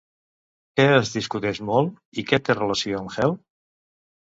Què es discuteix molt i que té relació amb Hel?